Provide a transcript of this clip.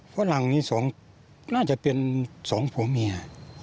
ฝรั่งนี้น่าจะเป็นสองผัวเมีย